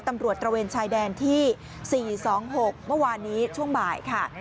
ตระเวนชายแดนที่๔๒๖เมื่อวานนี้ช่วงบ่ายค่ะ